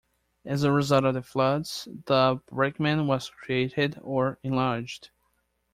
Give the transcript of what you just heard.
As a result of the floods, the Braakman was created or enlarged.